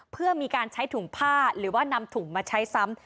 เพื่อมีการใช้ถุงผ้าหรือว่านำถุงมาใช้ซ้ำ